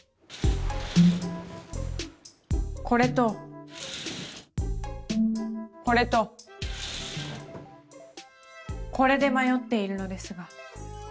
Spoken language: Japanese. これとこれとこれで迷っているのですが。